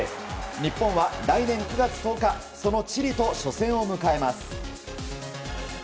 日本は来年９月１０日そのチリと初戦を迎えます。